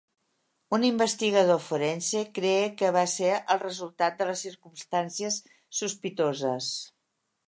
Un investigador forense cree que va ser el resultat de les circumstàncies sospitoses.